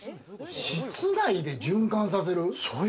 室内で循環させる？